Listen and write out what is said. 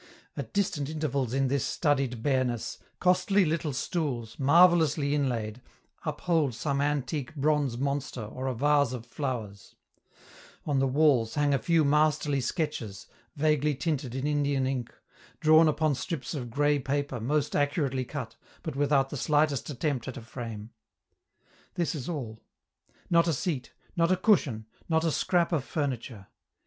At distant intervals in this studied bareness, costly little stools, marvellously inlaid, uphold some antique bronze monster or a vase of flowers; on the walls hang a few masterly sketches, vaguely tinted in Indian ink, drawn upon strips of gray paper most accurately cut but without the slightest attempt at a frame. This is all: not a seat, not a cushion, not a scrap of furniture.